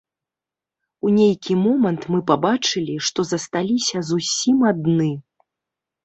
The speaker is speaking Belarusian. У нейкі момант мы пабачылі, што засталіся зусім адны.